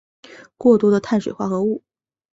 过多的碳水化合物